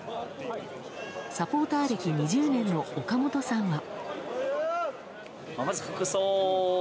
サポーター歴２０年の岡本さんは。